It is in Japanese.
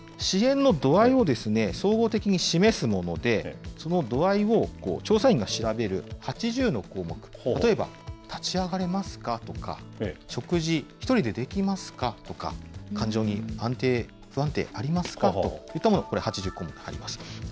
支援の度合いを総合的に示すもので、その度合いを調査員が調べる８０の項目、例えば、立ち上がれますかとか、食事１人でできますかとか、感情に安定、不安定ありますかといったもの、これ、８０項目あります。